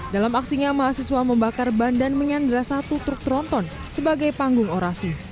dalam aksinya mahasiswa membakar ban dan menyandra satu truk tronton sebagai panggung orasi